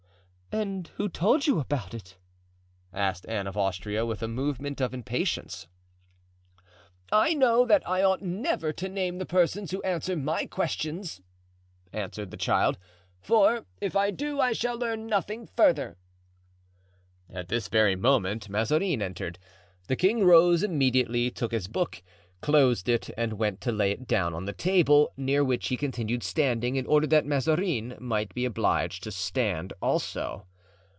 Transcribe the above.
"And who told you about it?" asked Anne of Austria, with a movement of impatience. "I know that I ought never to name the persons who answer my questions," answered the child, "for if I do I shall learn nothing further." At this very moment Mazarin entered. The king rose immediately, took his book, closed it and went to lay it down on the table, near which he continued standing, in order that Mazarin might be obliged to stand also.